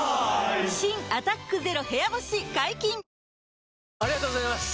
新「アタックＺＥＲＯ部屋干し」解禁‼ありがとうございます！